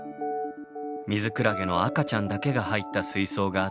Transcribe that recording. ミズクラゲの赤ちゃんだけが入った水槽がずらり。